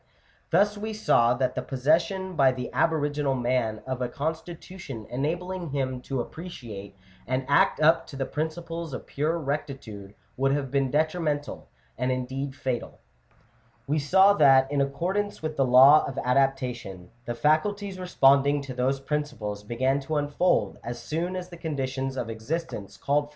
Thus we saw that the possession by the aboriginal man of a constitution enabling him to appreciate and act up to the principles of pure rectitude would have been detrimental, and indeed fatal (p. 410). We saw that in accordance with the law of adaptation, the faculties responding to those principles began to unfold as soon as the conditions of existence called Digitized by VjOOQIC SUMMARY.